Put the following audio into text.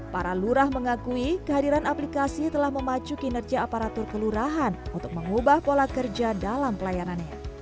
para lurah mengakui kehadiran aplikasi telah memacu kinerja aparatur kelurahan untuk mengubah pola kerja dalam pelayanannya